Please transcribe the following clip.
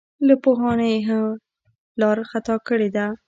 له پوهانو یې هم لار خطا کړې ده.